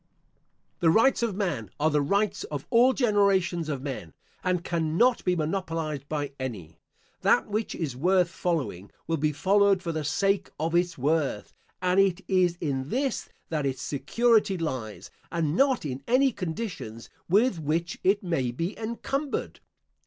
The Rights of Man are the rights of all generations of men, and cannot be monopolised by any. That which is worth following, will be followed for the sake of its worth, and it is in this that its security lies, and not in any conditions with which it may be encumbered.